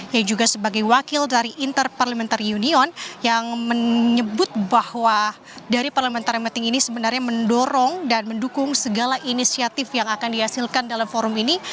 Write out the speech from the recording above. yang juga sebagai wakil dari interparliamentary union yang menyebut bahwa dari parliamentary meeting ini sebenarnya mendorong dan mendukung segala inisiatif yang akan dihasilkan dalam forum ini